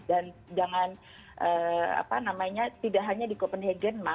dan jangan apa namanya tidak hanya di copenhagen mas